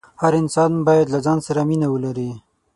هر انسان باید له ځان سره مینه ولري.